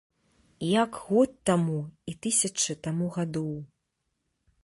Як год таму і тысячы таму гадоў.